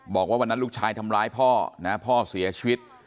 บอกว่าวันนั้นลูกชายทำร้ายพ่อนะพ่อเสียชีวิต